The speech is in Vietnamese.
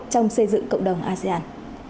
trong xây dựng cộng đồng asean